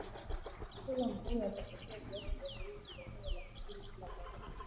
kila mkenya atapokea kiasi cha shilingi za Kenya laki mbili kila mwaka